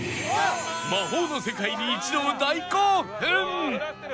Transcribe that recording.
魔法の世界に一同大興奮！